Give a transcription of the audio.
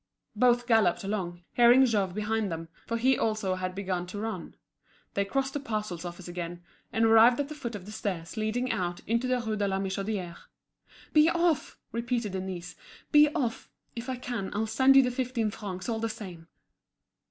Both galloped along, hearing Jouve behind them, for he also had began to run. They crossed the parcels office again, and arrived at the foot of the stairs leading out into the Rue de la Michodière. "Be off!" repeated Denise, "be off! If I can, I'll send you the fifteen francs all the same."